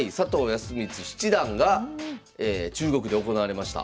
康光七段が中国で行われました。